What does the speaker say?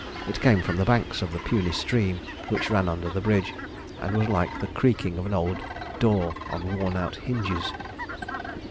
It came from the banks of the puny stream which ran under the bridge, and was like the creaking of an old door on worn out hinges.